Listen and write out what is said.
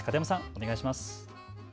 お願いします。